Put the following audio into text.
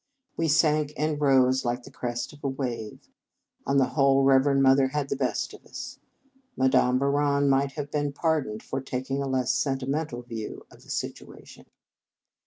We sank and rose like the crest of a wave. On the whole, Rev erend Mother had the best of us. Madame Bouron might have been pardoned for taking a less sentimental view of the situation.